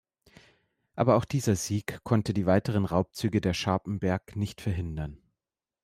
Aber auch dieser Sieg konnte die weiteren Raubzüge der Scharpenberg nicht verhindern.